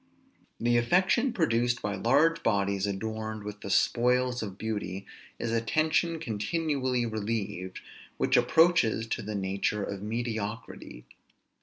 The affection produced by large bodies adorned with the spoils of beauty, is a tension continually relieved; which approaches to the nature of mediocrity.